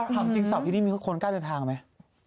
ถามจริงที่ที่นี่มีคนก้นก้าวเรียนทางไหม